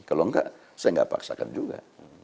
kalau enggak saya nggak paksakan juga